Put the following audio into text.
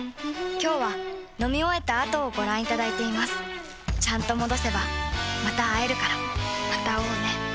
今日は飲み終えた後をご覧いただいていますちゃんと戻せばまた会えるからまた会おうね。